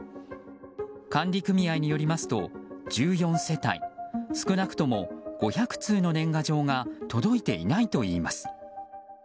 管理組合によりますと、１４世帯少なくとも５００通の年賀状が届いていないといいます。